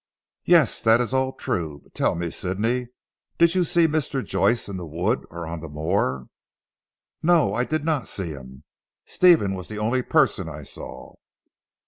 "Yes. That is all true. But tell me Sidney, did you see Mr. Joyce in the wood or on the moor?" "No. I did not see him. Stephen was the only person I saw."